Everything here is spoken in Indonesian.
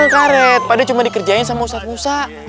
karet pak d cuma dikerjain sama ustadz musa